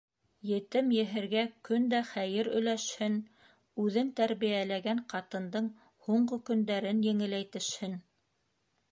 Етем-еһергә көн дә хәйер өләшһен, үҙен тәрбиәләгән ҡатындың һуңғы көндәрен еңеләйтешһен.